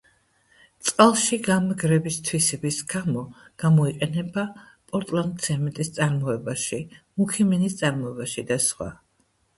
წყალში გამაგრების თვისების გამო გამოიყენება პორტლანდცემენტის წარმოებაში, მუქი მინის წარმოებაში და სხვა.